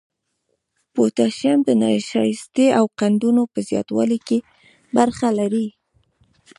پوتاشیم د نشایستې او قندونو په زیاتوالي کې برخه لري.